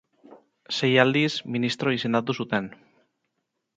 Sei aldiz, ministro izendatu zuten.